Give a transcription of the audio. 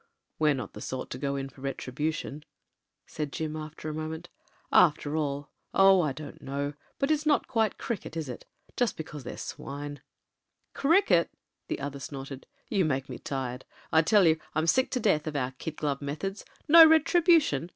"We're not the sort to go in for retribution," said Jim, after a moment. "After all — oh ! I don't know — but it's not quite cricket, is it ? Just because they're swine •..?" "Cricket !" the other snorted. "You make me tired. I tell you I'm sick to death of our kid glove methods. No retribution